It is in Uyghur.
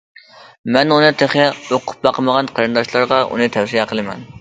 مەن ئۇنى تېخى ئوقۇپ باقمىغان قېرىنداشلارغا ئۇنى تەۋسىيە قىلىمەن.